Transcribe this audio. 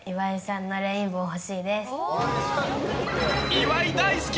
岩井大好き！